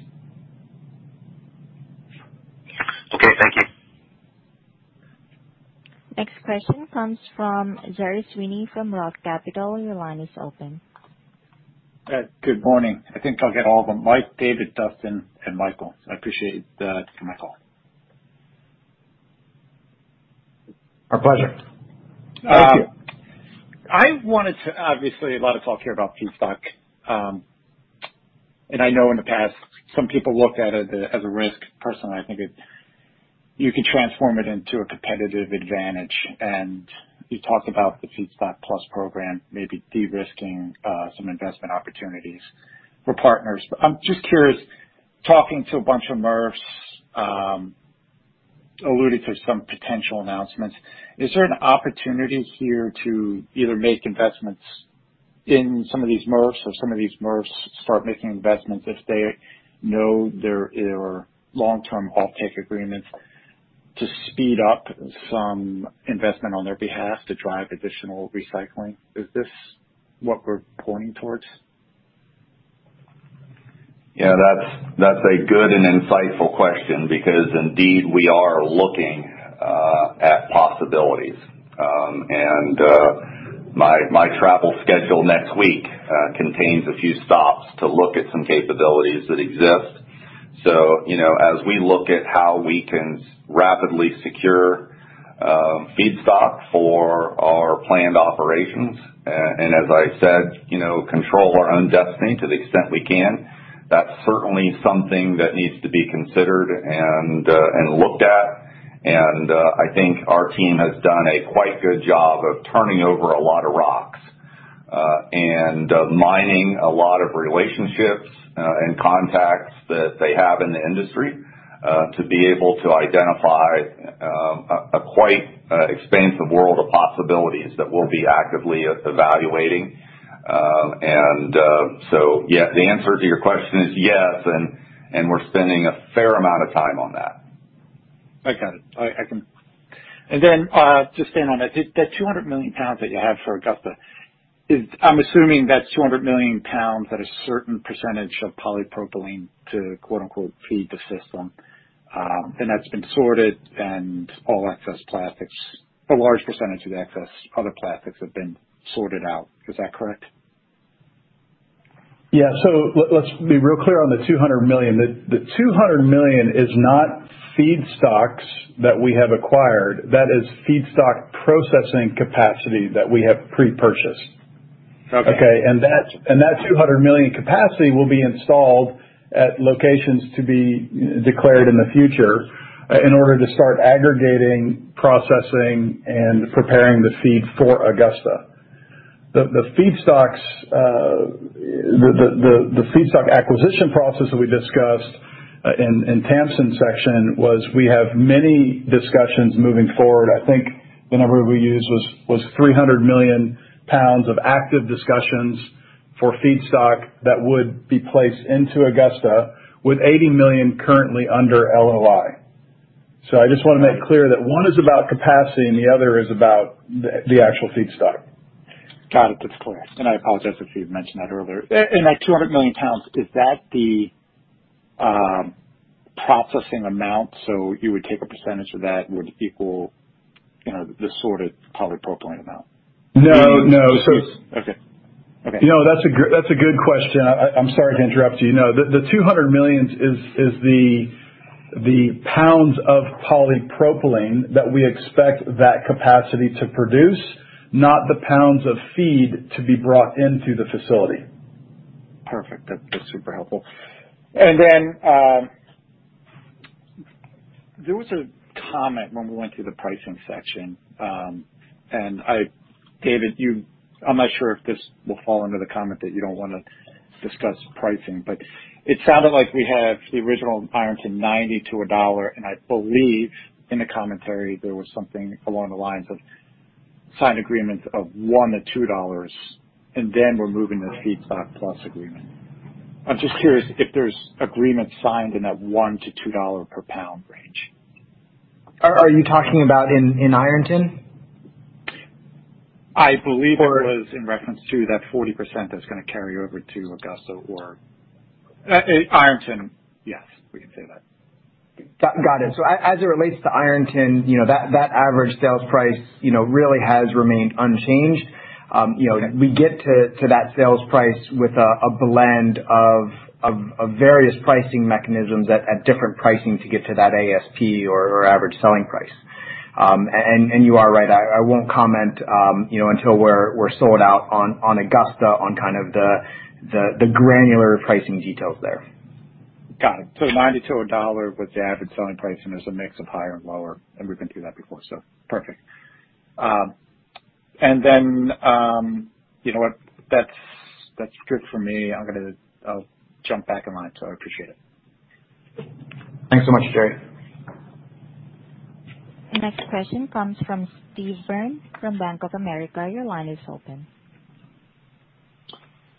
Okay, thank you. Next question comes from Gerry Sweeney from Roth Capital Partners. Your line is open. Good morning. I think I'll get all of them. Mike, David, Dustin, and Michael. I appreciate you taking my call. Our pleasure. Thank you. Obviously, a lot of talk here about feedstock. I know in the past some people looked at it as a risk. Personally, I think you can transform it into a competitive advantage. You talked about the Feedstock Plus program maybe de-risking some investment opportunities for partners. I'm just curious, talking to a bunch of MRFs, alluded to some potential announcements. Is there an opportunity here to either make investments in some of these MRFs or some of these MRFs start making investments if they know there are long-term offtake agreements to speed up some investment on their behalf to drive additional recycling? Is this what we're pointing towards? Yeah, that's a good and insightful question because indeed we are looking at possibilities. My travel schedule next week contains a few stops to look at some capabilities that exist. As we look at how we can rapidly secure feedstock for our planned operations and as I said, control our own destiny to the extent we can, that's certainly something that needs to be considered and looked at. I think our team has done a quite good job of turning over a lot of rocks and mining a lot of relationships and contacts that they have in the industry to be able to identify a quite expansive world of possibilities that we'll be actively evaluating. Yeah, the answer to your question is yes, and we're spending a fair amount of time on that. I got it. Just staying on that 200 million pounds that you have for Augusta. I'm assuming that's 200 million pounds at a certain percentage of polypropylene to quote, unquote, "feed the system," and that's been sorted and all excess plastics, a large percentage of excess other plastics have been sorted out. Is that correct? Yeah. Let's be real clear on the $200 million. The $200 million is not feedstocks that we have acquired. That is feedstock processing capacity that we have pre-purchased. Okay. That 200 million capacity will be installed at locations to be declared in the future in order to start aggregating, processing, and preparing the feed for Augusta. The feedstock acquisition process that we discussed in Tamsin's section was we have many discussions moving forward. I think the number we used was 300 million pounds of active discussions for feedstock that would be placed into Augusta with 80 million currently under LOI. I just want to make clear that one is about capacity and the other is about the actual feedstock. Got it. That's clear. I apologize if you had mentioned that earlier. In that 200 million pounds, is that the processing amount? You would take a percentage of that, would equal the sorted polypropylene amount? No. Okay. That's a good question. I'm sorry to interrupt you. The 200 million is the pounds of polypropylene that we expect that capacity to produce, not the pounds of feed to be brought into the facility. Perfect. That's super helpful. There was a comment when we went through the pricing section. David, I'm not sure if this will fall under the comment that you don't want to discuss pricing, it sounded like we had the original Ironton $0.90 to $1, I believe in the commentary there was something along the lines of signed agreements of $1 to $2, we're moving to Feedstock+ agreement. I'm just curious if there's agreements signed in that $1 to $2 per pound range. Are you talking about in Ironton? I believe it was in reference to that 40% that's going to carry over to Augusta or Ironton, yes, we can say that. Got it. As it relates to Ironton, that average sales price really has remained unchanged. We get to that sales price with a blend of various pricing mechanisms at different pricing to get to that ASP or average selling price. You are right, I won't comment until we're sold out on Augusta on kind of the granular pricing details there. Got it. $0.90-$1 was the average selling price, there's a mix of higher and lower, we've been through that before, perfect. That's good for me. I'm going to jump back in line. I appreciate it. Thanks so much, Gerry. The next question comes from Steve Byrne from Bank of America. Your line is open.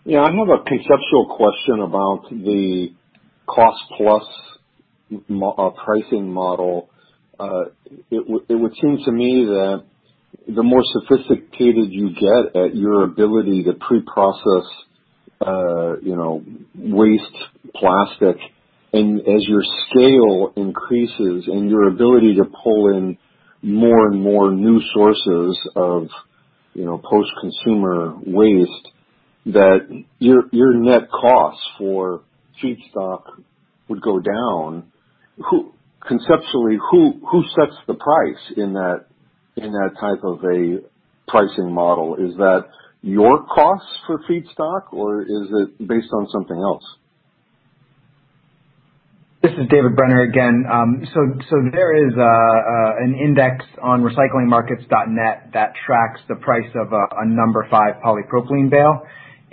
Yeah, I have a conceptual question about the cost-plus pricing model. It would seem to me that the more sophisticated you get at your ability to pre-process waste plastic, and as your scale increases and your ability to pull in more and more new sources of post-consumer waste, that your net cost for feedstock would go down. Conceptually, who sets the price in that type of a pricing model? Is that your cost for feedstock, or is it based on something else? This is David Brenner again. There is an index on recyclingmarkets.net that tracks the price of a number five polypropylene bale,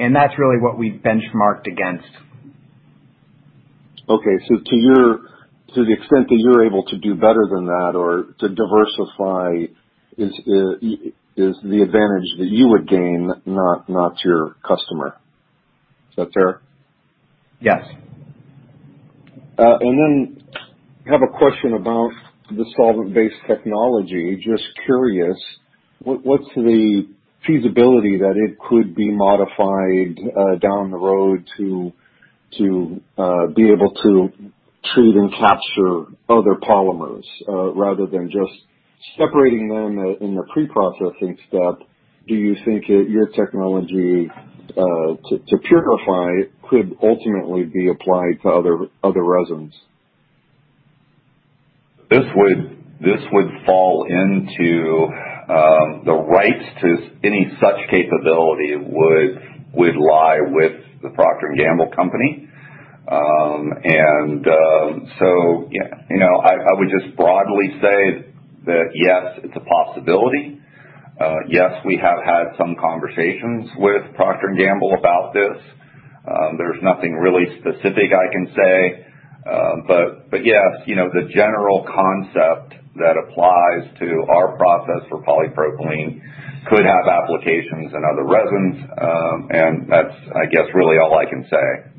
and that's really what we benchmarked against. Okay. To the extent that you're able to do better than that or to diversify is the advantage that you would gain, not your customer. Is that fair? Yes. I have a question about the solvent-based technology. Just curious, what's the feasibility that it could be modified down the road to be able to treat and capture other polymers rather than just separating them in the pre-processing step? Do you think that your technology to purify could ultimately be applied to other resins? This would fall into the rights to any such capability would lie with the Procter & Gamble company. I would just broadly say that yes, it's a possibility. Yes, we have had some conversations with Procter & Gamble about this. There's nothing really specific I can say. Yes, the general concept that applies to our process for polypropylene could have applications in other resins. That's, I guess, really all I can say.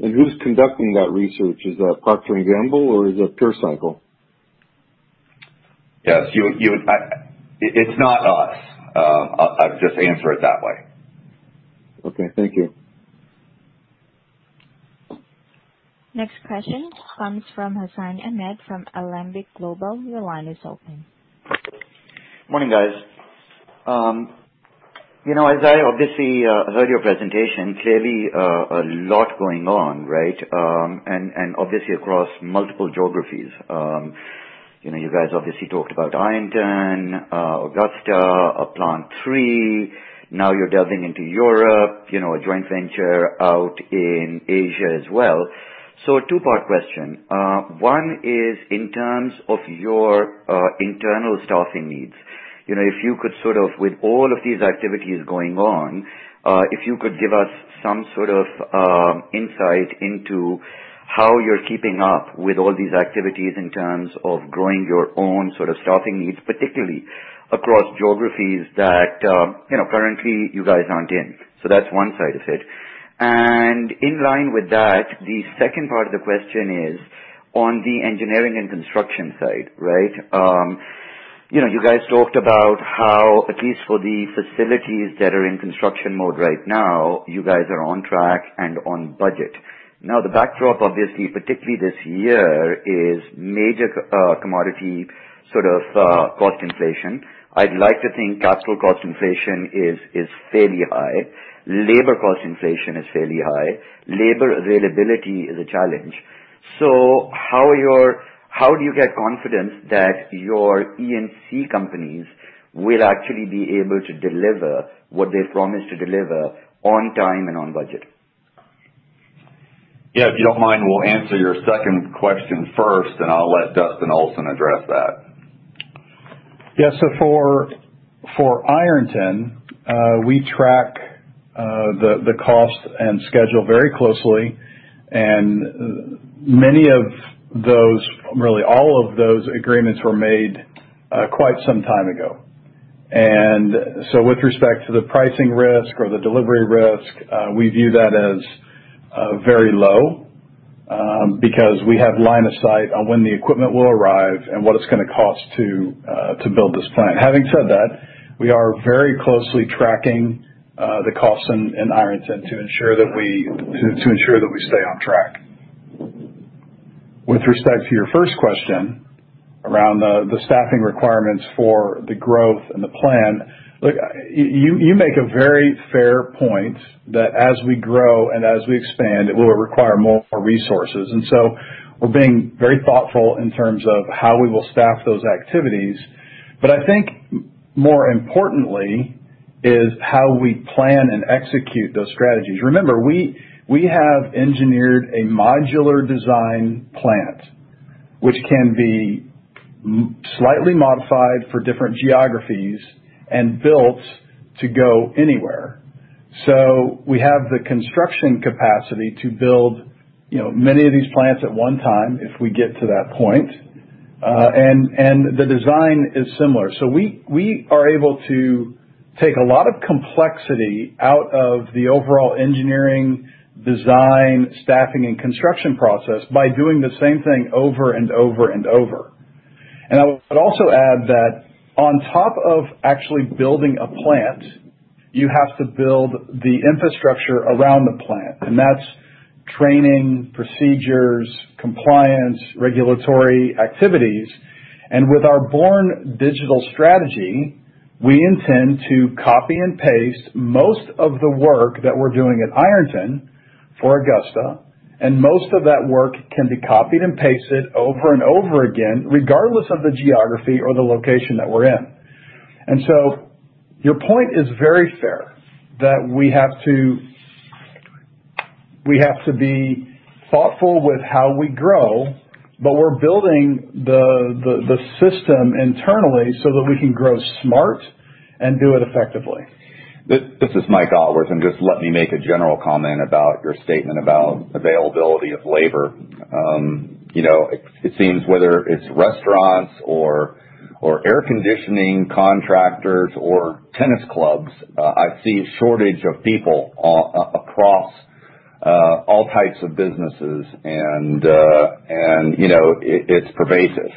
Who's conducting that research? Is that Procter & Gamble or is it PureCycle? Yes. It's not us. I'll just answer it that way. Okay. Thank you. Next question comes from Hassan Ahmed from Alembic Global. Your line is open. Morning, guys. As I obviously heard your presentation, clearly a lot going on, right? Obviously across multiple geographies. You guys obviously talked about Ironton, Augusta, Plant 3. Now you're delving into Europe, a joint venture out in Asia as well. Two-part question. One is in terms of your internal staffing needs. With all of these activities going on, if you could give us some sort of insight into how you're keeping up with all these activities in terms of growing your own sort of staffing needs, particularly across geographies that currently you guys aren't in. That's one side of it. In line with that, the second part of the question is on the engineering and construction side, right? You guys talked about how, at least for the facilities that are in construction mode right now, you guys are on track and on budget. The backdrop, obviously, particularly this year, is major commodity cost inflation. I'd like to think capital cost inflation is fairly high. Labor cost inflation is fairly high. Labor availability is a challenge. How do you get confidence that your E&C companies will actually be able to deliver what they promised to deliver on time and on budget? Yeah. If you don't mind, we'll answer your second question first, then I'll let Dustin Olson address that. For Ironton, we track the cost and schedule very closely, and many of those, really all of those agreements were made quite some time ago. With respect to the pricing risk or the delivery risk, we view that as very low because we have line of sight on when the equipment will arrive and what it's going to cost to build this plant. Having said that, we are very closely tracking the costs in Ironton to ensure that we stay on track. With respect to your first question around the staffing requirements for the growth and the plan. Look, you make a very fair point that as we grow and as we expand, it will require more resources. We're being very thoughtful in terms of how we will staff those activities. I think more importantly is how we plan and execute those strategies. Remember, we have engineered a modular design plant, which can be slightly modified for different geographies and built to go anywhere. We have the construction capacity to build many of these plants at 1 time if we get to that point. The design is similar. We are able to take a lot of complexity out of the overall engineering, design, staffing, and construction process by doing the same thing over and over and over. I would also add that on top of actually building a plant, you have to build the infrastructure around the plant, and that's training, procedures, compliance, regulatory activities. With our born-digital strategy, we intend to copy and paste most of the work that we're doing at Ironton for Augusta, and most of that work can be copied and pasted over and over again, regardless of the geography or the location that we're in. Your point is very fair that we have to be thoughtful with how we grow, but we're building the system internally so that we can grow smart and do it effectively. This is Mike Otworth. Just let me make a general comment about your statement about availability of labor. It seems whether it's restaurants or air conditioning contractors or tennis clubs, I see a shortage of people across all types of businesses, it's pervasive.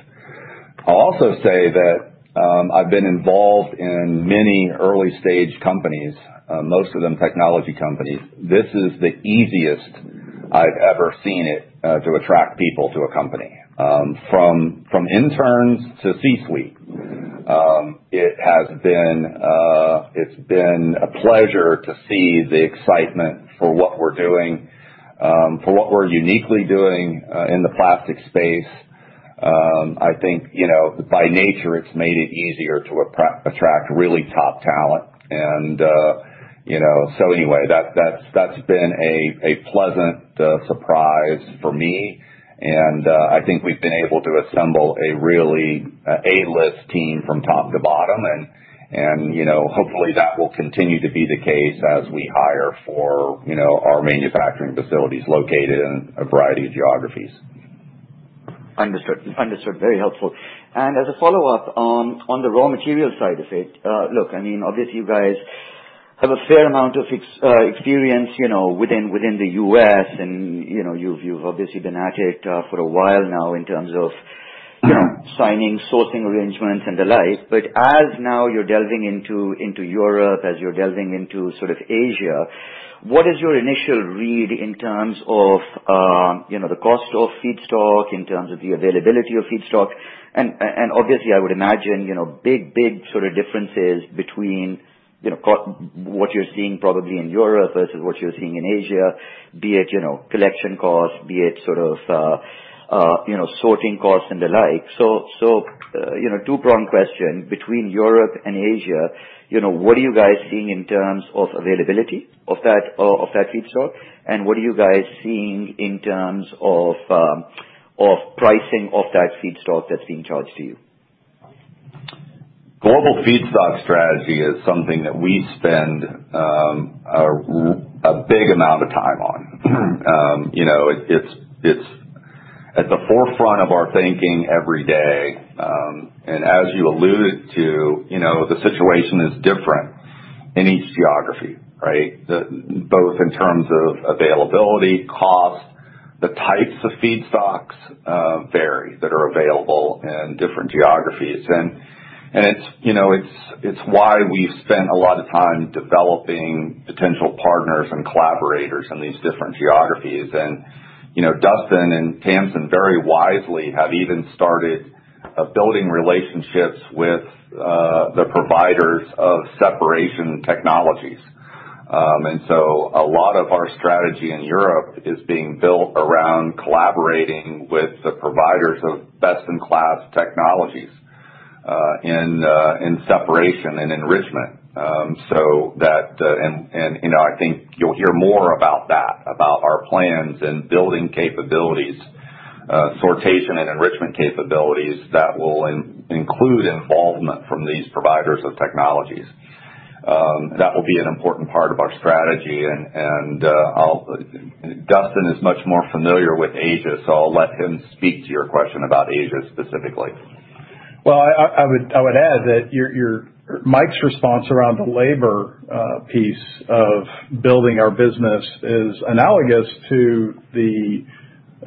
I'll also say that I've been involved in many early-stage companies, most of them technology companies. This is the easiest I've ever seen it to attract people to a company. From interns to C-suite. It's been a pleasure to see the excitement for what we're doing, for what we're uniquely doing in the plastic space. I think by nature, it's made it easier to attract really top talent. Anyway, that's been a pleasant surprise for me. I think we've been able to assemble a really A-list team from top to bottom. Hopefully that will continue to be the case as we hire for our manufacturing facilities located in a variety of geographies. Understood. Very helpful. As a follow-up on the raw material side of it, look, obviously you guys have a fair amount of experience within the U.S. and you've obviously been at it for a while now in terms of signing sourcing arrangements and the like. As now you're delving into Europe, as you're delving into sort of Asia, what is your initial read in terms of the cost of feedstock, in terms of the availability of feedstock? Obviously I would imagine big differences between what you're seeing probably in Europe versus what you're seeing in Asia, be it collection cost, be it sorting costs and the like. Two-prong question. Between Europe and Asia, what are you guys seeing in terms of availability of that feedstock, and what are you guys seeing in terms of pricing of that feedstock that's being charged to you? Global feedstock strategy is something that we spend a big amount of time on. It's at the forefront of our thinking every day. As you alluded to, the situation is different in each geography, right? Both in terms of availability, cost, the types of feedstocks vary that are available in different geographies. It's why we've spent a lot of time developing potential partners and collaborators in these different geographies. Dustin and Tamsin Ettefagh very wisely have even started building relationships with the providers of separation technologies. A lot of our strategy in Europe is being built around collaborating with the providers of best-in-class technologies in separation and enrichment. I think you'll hear more about that, about our plans and building capabilities, sortation and enrichment capabilities that will include involvement from these providers of technologies. That will be an important part of our strategy. Dustin is much more familiar with Asia, so I'll let him speak to your question about Asia specifically. Well, I would add that Mike's response around the labor piece of building our business is analogous to the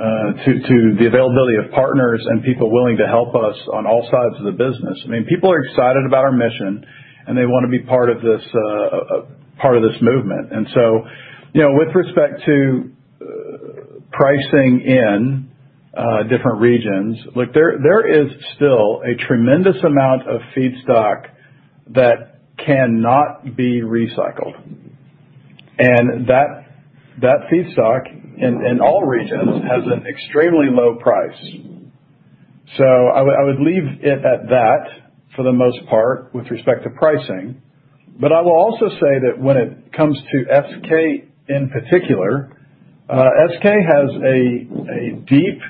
availability of partners and people willing to help us on all sides of the business. People are excited about our mission. They want to be part of this movement. With respect to pricing in different regions, look, there is still a tremendous amount of feedstock that cannot be recycled, and that feedstock in all regions has an extremely low price. I would leave it at that for the most part with respect to pricing. I will also say that when it comes to SK in particular, SK has a deep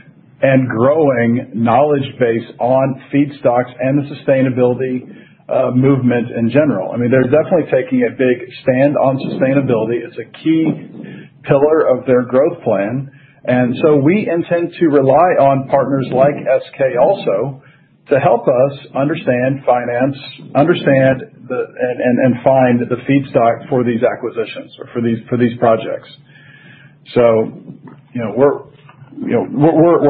and growing knowledge base on feedstocks and the sustainability movement in general. They're definitely taking a big stand on sustainability as a key pillar of their growth plan. We intend to rely on partners like SK also to help us understand finance, understand and find the feedstock for these acquisitions or for these projects. We're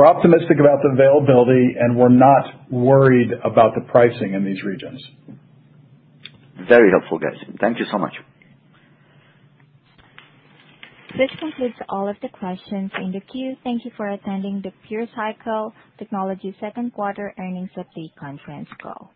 optimistic about the availability, and we're not worried about the pricing in these regions. Very helpful, guys. Thank you so much. This concludes all of the questions in the queue. Thank you for attending the PureCycle Technologies second quarter earnings update conference call.